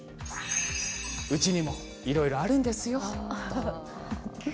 うちにもいろいろあるんですよ。